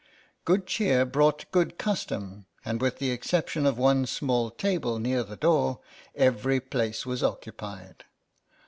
Good cheer brought good custom, and with the exception of one small table near the door every place was occupied.